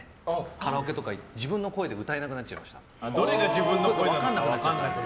カラオケとか行って自分の声で歌えなくなっちゃいました。